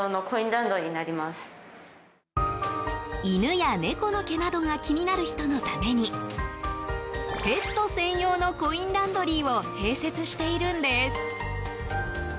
犬や猫の毛などが気になる人のためにペット専用のコインランドリーを併設しているんです。